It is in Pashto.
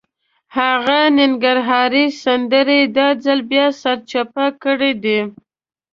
هغه ننګرهارۍ سندره یې دا ځل بیا سرچپه کړې ده.